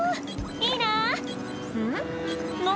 いいなん？